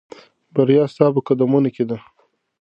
بریا ستا په قدمونو کې ده.